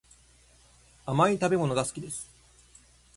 甘い食べ物が好きです